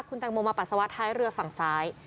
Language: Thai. คุณแตงโมมาปัสสาวะท้ายเรือฝั่งซ้าย